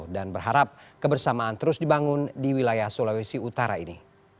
dan berharap kebersamaan terus dibangun di wilayah sulawesi utara ini